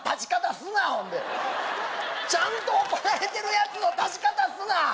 すなほんでちゃんと怒られてるやつの立ち方すな！